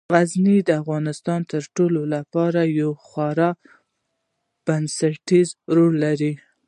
غزني د افغانستان د ټولنې لپاره یو خورا بنسټيز رول لري.